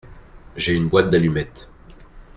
J’ai une boîte d’allumettes.